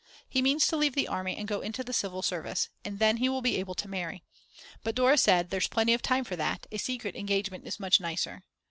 He means to leave the army and go into the civil service, and then he will be able to marry. But Dora said, there's plenty of time for that, a secret engagement is much nicer.